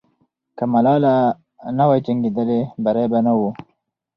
که ملالۍ نه وای جنګېدلې، بری به نه وو.